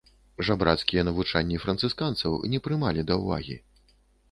Жабрацкія навучанні францысканцаў не прымалі да ўвагі.